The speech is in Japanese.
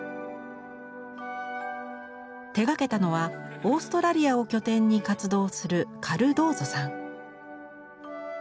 手がけたのはオーストラリアを拠点に活動するカルドーゾさん。